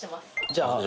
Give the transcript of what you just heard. じゃあ。